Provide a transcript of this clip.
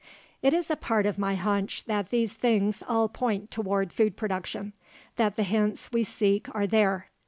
It is a part of my hunch that these things all point toward food production that the hints we seek are there.